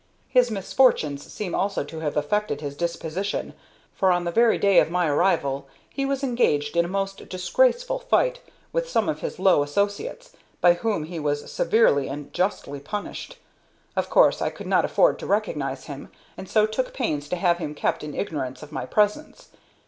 "His misfortunes seem also to have affected his disposition, for on the very day of my arrival he was engaged in a most disgraceful fight with some of his low associates, by whom he was severely and justly punished. Of course I could not afford to recognize him, and so took pains to have him kept in ignorance of my presence.